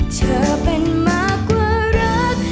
เธอเป็นมากกว่ารัก